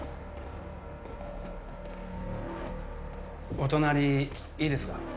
お隣いいですか？